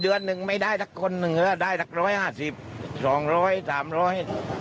เดือนหนึ่งไม่ได้สักคนหนึ่งก็ได้สักร้อยห้าสิบสองร้อยสามร้อย